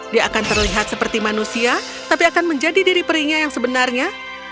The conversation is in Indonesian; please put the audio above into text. dia akan terlihat seperti manusia tapi akan menjadi diri perinya yang sebenarnya